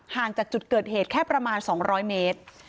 จากจุดเกิดเหตุแค่ประมาณ๒๐๐เมตร